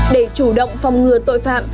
để chủ động phòng ngừa tội phạm